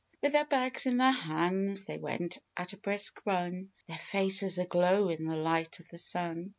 With their bags in their hands, they went at a brisk run, Their faces aglow in the light of the sun.